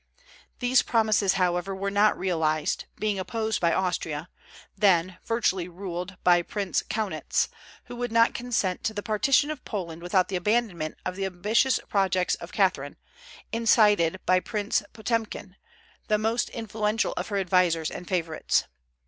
These promises however were not realized, being opposed by Austria, then virtually ruled by Prince Kaunitz, who would not consent to the partition of Poland without the abandonment of the ambitious projects of Catherine, incited by Prince Potemkin, the most influential of her advisers and favorites.